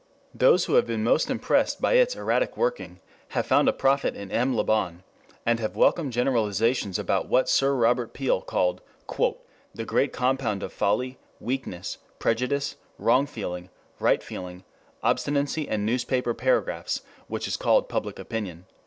Those who have been most impressed by its erratic working have found a prophet in M. LeBon, and have welcomed generalizations about what Sir Robert Peel called "that great compound of folly, weakness, prejudice, wrong feeling, right feeling, obstinacy and newspaper paragraphs which is called public opinion."